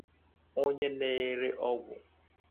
onye na-ere ọgwụ